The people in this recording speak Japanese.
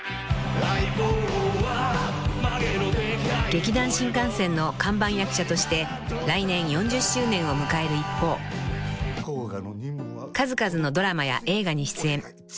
［劇団☆新感線の看板役者として来年４０周年を迎える一方数々のドラマや映画に出演］